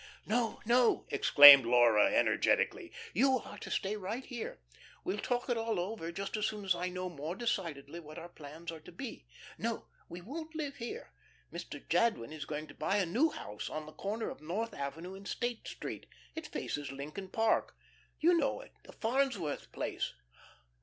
"No, no," exclaimed Laura, energetically, "you are to stay right here. We'll talk it all over just as soon as I know more decidedly what our plans are to be. No, we won't live here. Mr. Jadwin is going to buy a new house on the corner of North Avenue and State Street. It faces Lincoln Park you know it, the Farnsworth place."